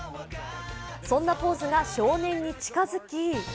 そんなポーズが少年に近づき